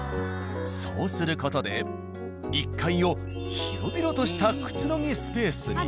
そうする事で１階を広々としたくつろぎスペースに。